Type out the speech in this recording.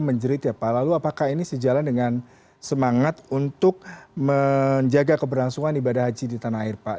menjerit ya pak lalu apakah ini sejalan dengan semangat untuk menjaga keberlangsungan ibadah haji di tanah air pak